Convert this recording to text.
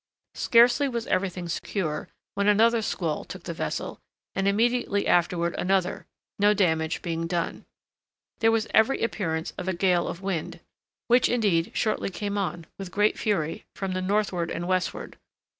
Scarcely was everything secure, when another squall took the vessel, and immediately afterward another—no damage being done. There was every appearance of a gale of wind, which, indeed, shortly came on, with great fury, from the northward and westward.